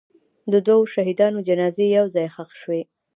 د دوو شهیدانو جنازې یو ځای ښخ شوې.